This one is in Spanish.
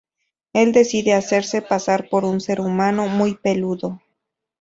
Él decide hacerse pasar por un ser humano muy peludo.